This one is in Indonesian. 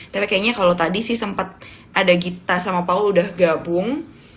tapi kayaknya kalau tadi sih sempat ada gita sama paul udah gabung